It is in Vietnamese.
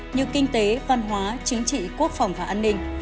như kinh tế văn hóa chính trị quốc phòng và an ninh